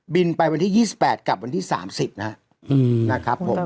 ไปวันที่๒๘กับวันที่๓๐นะครับผม